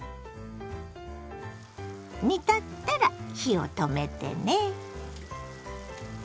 煮立ったら火を止めてね。